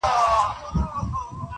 • سولاغه هره ورځ څاه ته نه لوېږي -